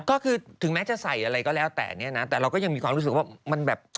ก็คือถึงแม้จะใส่อะไรก็แล้วแต่เนี่ยนะแต่เราก็ยังมีความรู้สึกว่ามันแบบ